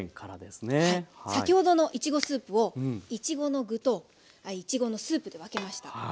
先ほどのいちごスープをいちごの具といちごのスープで分けました。